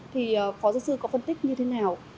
thì phó giáo sư có phân tích như thế nào